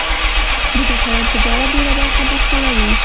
د ګټور تجارت ډېره برخه به خپلوي.